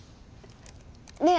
ねえ！